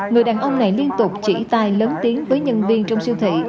người đàn ông này liên tục chỉ tai lớn tiếng với nhân viên trong siêu thị